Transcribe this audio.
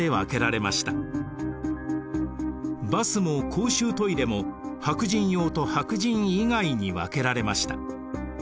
バスも公衆トイレも白人用と白人以外に分けられました。